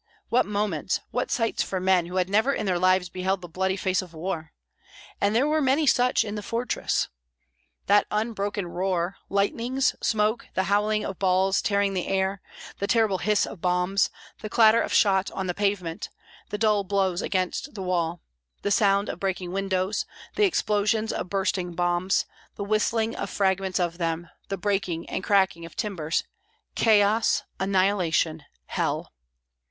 What moments, what sights for men who had never in their lives beheld the bloody face of war! and there were many such in the fortress. That unbroken roar, lightnings, smoke, the howling of balls tearing the air, the terrible hiss of bombs, the clatter of shot on the pavement, the dull blows against the wall, the sound of breaking windows, the explosions of bursting bombs, the whistling of fragments of them, the breaking and cracking of timbers; chaos, annihilation, hell!